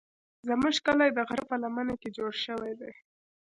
زموږ کلی د غره په لمنه کې جوړ شوی دی.